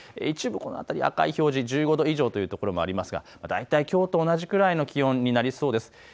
一部この辺り、赤い表示１５度以上というところもありますが大体きょうと同じくらいの気温になりそうです。